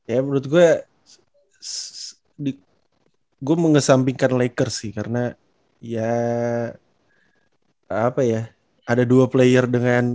ya menurut gue gue mau ngesampingkan lakers sih karena ya apa ya ada dua player dengan